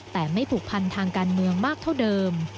แต่ไม่ผูกพันทางการเมืองมากเท่าเดิม